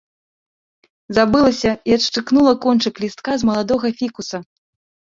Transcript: Забылася і адшчыкнула кончык лістка з маладога фікуса.